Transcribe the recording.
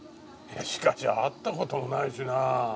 しかし会った事もないしな。